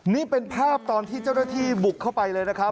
นี่เป็นภาพตอนที่เจ้าหน้าที่บุกเข้าไปเลยนะครับ